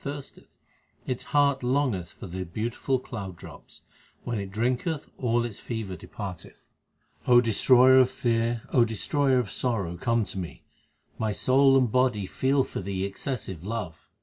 HYMNS OF GURU ARJAN 329 thirsteth ; its heart longeth for the beautiful cloud drops ; when it drinketh all its fever depart eth. Destroyer of fear, O Destroyer of sorrow, come to me : my soul and body feel for Thee excessive love.